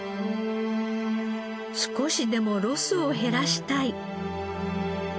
少しでもロスを減らしたい。